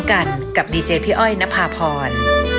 กันกับดีเจพี่อ้อยนภาพร